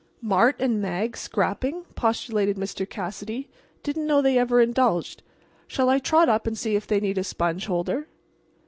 "Mart and Mag scrapping?" postulated Mr. Cassidy. "Didn't know they ever indulged. Shall I trot up and see if they need a sponge holder?"